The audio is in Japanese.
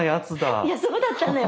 いやそうだったのよ。